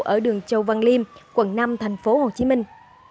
ở đường châu văn liêm quận năm thành phố hồ chí minh